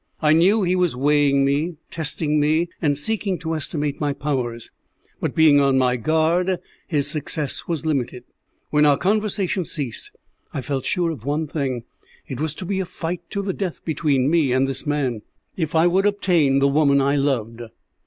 I knew he was weighing me, testing me, and seeking to estimate my powers, but being on my guard his success was limited. When our conversation ceased I felt sure of one thing. It was to be a fight to the death between me and this man, if I would obtain the woman I loved.